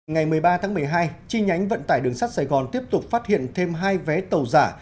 ngày một mươi ba tháng một mươi hai chi nhánh vận tải đường sắt sài gòn tiếp tục phát hiện thêm hai vé tàu giả